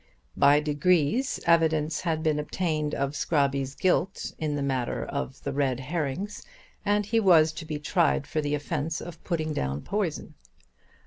By degrees evidence had been obtained of Scrobby's guilt in the matter of the red herrings, and he was to be tried for the offence of putting down poison.